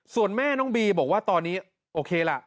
ส่วนแม่น้องบีบอกว่าตอนนี้โอเคล่ะ